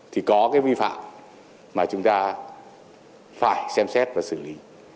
thì có cái vi phạm mà chúng ta phải xem xét và xử lý